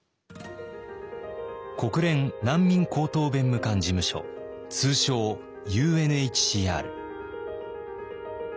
国連難民高等弁務官事務所通称ＵＮＨＣＲ。